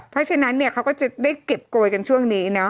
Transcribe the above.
เพราะฉะนั้นเขาก็จะได้เก็บโกยกันช่วงนี้